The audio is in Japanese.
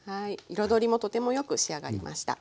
彩りもとてもよく仕上がりました。